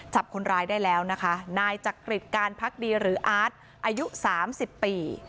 จับคนร้ายได้แล้วนะคะนายจักริจการพักดีหรืออาร์ตอายุ๓๐ปี